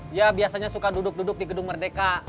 dia biasanya suka duduk duduk di gedung merdeka